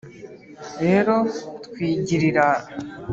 rero twigirira